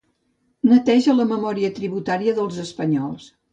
Neteja la memòria tributària dels espanyols.